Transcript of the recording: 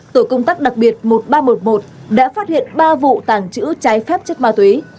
tổ công tác đặc biệt một nghìn ba trăm một mươi một đã phát hiện ba vụ tàng trữ trái phép chất ma túy